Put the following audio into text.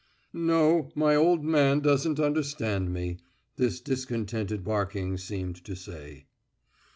"No, my old man doesn't understand me," this discontented barking seemed to say.